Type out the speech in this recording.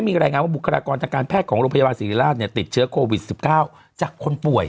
มีรายงานว่าบุคลากรทางการแพทย์ของโรงพยาบาลศิริราชติดเชื้อโควิด๑๙จากคนป่วย